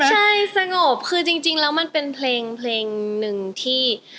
ใช่สงบคือจริงแล้วมันเป็นเพลงหนึ่งที่